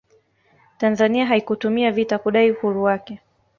tanzania haikutumia vita kudai uhuru wake